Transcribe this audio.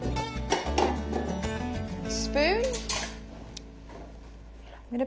スプーンで。